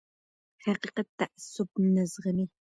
حقیقت تعصب نه زغمي